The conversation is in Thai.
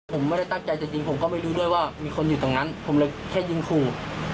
ผมไม่ได้ตั้งใจจะยิงผมก็ไม่รู้ด้วยว่ามีคนอยู่ตรงนั้นผมเลยแค่ยิงขู่